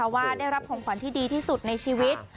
ว่าได้รับของขวัญที่ดีที่สุดในชีวิต